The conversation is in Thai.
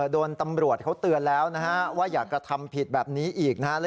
โดนตำรวจเขาเตือนแล้วนะฮะว่าอย่ากระทำผิดแบบนี้อีกนะฮะ